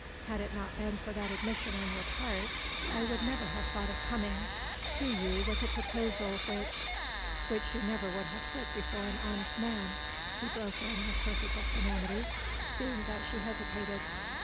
"Had it not been for that admission on your part, I would never have thought of coming to you with a proposal which...." "Which you never would have put before an honest man," he broke in with perfect equanimity, seeing that she hesitated.